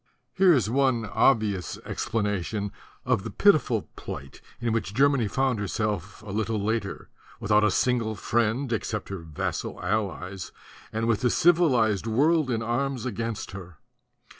Here is one obvious explanation of the pitiful plight in which Germany found herself a little later, without a single friend, except her vassal allies, and with the civilized world in arms against her.